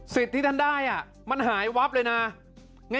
ที่ท่านได้มันหายวับเลยนะ